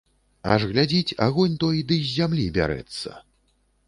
Аж глядзіць, агонь той ды з зямлі бярэцца.